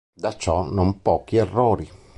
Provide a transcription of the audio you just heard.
Da ciò non pochi errori".".